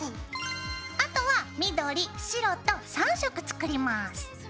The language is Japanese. あとは緑白と３色作ります。